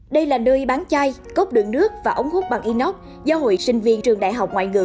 đây là nơi bán chai cốc đường nước và ống hút bằng inox do hội sinh viên trường đại học ngoại ngữ